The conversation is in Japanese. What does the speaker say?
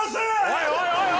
おいおいおいおい。